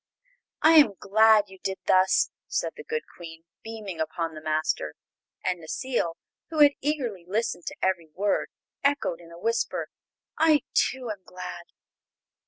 "I am glad you did thus," said the good Queen, beaming upon the Master; and Necile, who had eagerly listened to every word, echoed in a whisper: "I, too, am glad!"